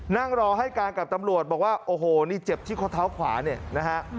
นั่งรอให้การกับตำรวจบอกว่าโอ้โหนี่เจ็บที่ข้อเท้าขวาเนี่ยนะฮะ